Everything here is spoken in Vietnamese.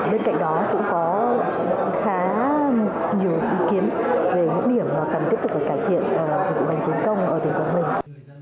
bên cạnh đó cũng có khá nhiều ý kiến về những điểm mà cần tiếp tục phải cải thiện dịch vụ hành chính công ở tỉnh quảng bình